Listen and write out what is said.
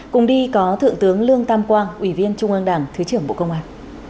cùng đi có thượng tướng lương tam quang ủy viên trung an đảng thứ trưởng bộ công an